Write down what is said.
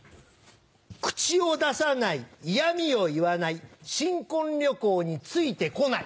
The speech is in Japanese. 口を出さない嫌みを言わない新婚旅行について来ない。